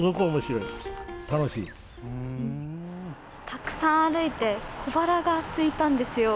たくさん歩いて小腹がすいたんですよ。